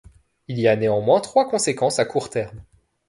Il y a néanmoins trois conséquences à court terme.